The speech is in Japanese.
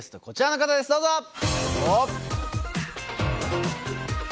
こちらの方ですどうぞ！